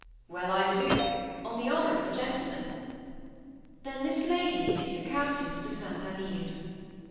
"Well, I do; on the honor of a gentleman." "Then this lady is the Countess de St. Alyre."